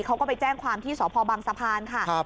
เขาก็ไปแจ้งความที่สพบังสะพานค่ะ